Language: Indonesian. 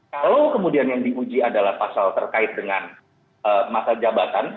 kalau kemudian yang diuji adalah pasal terkait dengan masa jabatan